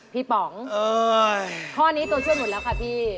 ป๋องข้อนี้ตัวช่วยหมดแล้วค่ะพี่